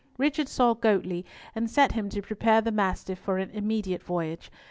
Richard saw Goatley and set him to prepare the Mastiff for an immediate voyage.